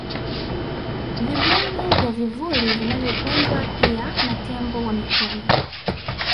Vibungi vya vivuli vinavyopendwa pia na tembo wa Mikumi